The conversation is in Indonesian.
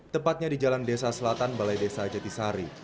tepatnya di jalan desa selatan balai desa jatisari